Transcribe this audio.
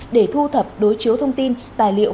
để thu thập đối chiếu thông tin tài liệu